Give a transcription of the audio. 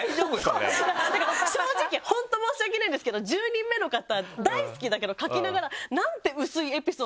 正直本当申し訳ないんですけど１０人目の方大好きだけど書きながらなんて薄いエピソードで。